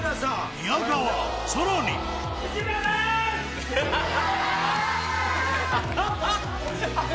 宮川さらにハハハ！